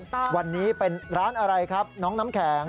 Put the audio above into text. ตอนนี้เป็นร้านอะไรครับน้องน้ำแข็ง